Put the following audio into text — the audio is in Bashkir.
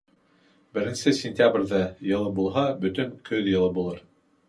Беренсе сентябрҙә йылы булһа, бөтөн көҙ йылы булыр